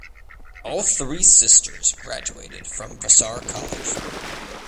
All three sisters graduated from Vassar College.